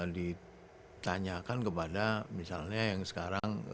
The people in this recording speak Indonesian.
ditanyakan kepada misalnya yang sekarang